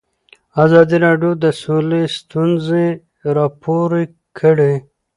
ازادي راډیو د سوله ستونزې راپور کړي.